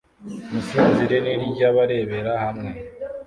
Isinzi rinini ry'abarebera hamwe